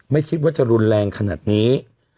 ไม่คิดว่าจะรุนแรงขนาดนี้